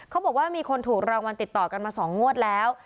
เขาบอกว่ามีคนถูกรางวัลติดต่อกันมา๒งวดแล้ว